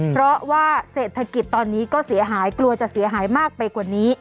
เพราะว่าเศรษฐกิจตอนนี้ก็เสียหายกลัวจะเสียหายมากไปกว่านี้